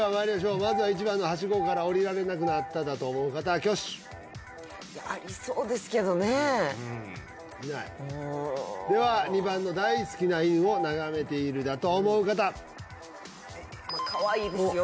まずは１番のハシゴからおりられなくなっただと思う方挙手いやありそうですけどねいないでは２番の大好きな犬を眺めているだと思う方まあかわいいですよ